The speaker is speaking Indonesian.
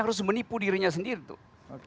harus menipu dirinya sendiri tuh